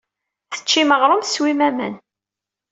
Teččim aɣrum, teswim aman.